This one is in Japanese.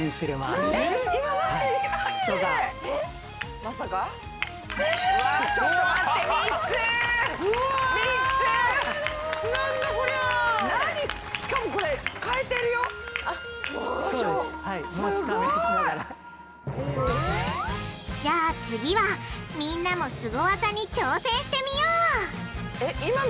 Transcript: すごい！じゃあ次はみんなもスゴ技に挑戦してみよう！